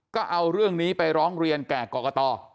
ก็เอาเรื่องนี้ไปร้องเรียนแก่กรกต